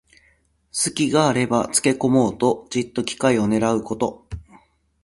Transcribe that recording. すきがあればつけこもうと、じっと機会をねらうこと。